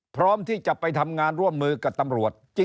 พร้อมที่จะไปทำงานร่วมมือกับตำรวจ